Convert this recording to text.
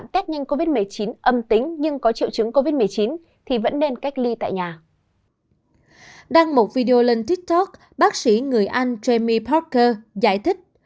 trong video lên tiktok bác sĩ người anh jamie parker giải thích